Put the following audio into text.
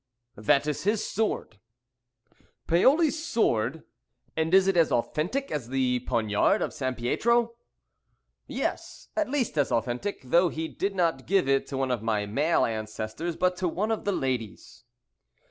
"That is his sword." "Paoli's sword? And is it as authentic as the poignard of Sampietro?" "Yes, at least as authentic; though he did not give it to one of my male ancestors, but to one of the ladies."